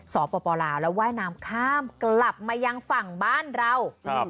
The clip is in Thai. สปลาวแล้วว่ายน้ำข้ามกลับมายังฝั่งบ้านเราครับ